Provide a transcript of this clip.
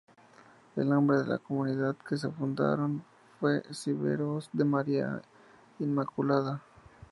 El nombre de la comunidad que fundaron fue Siervos de María Inmaculada.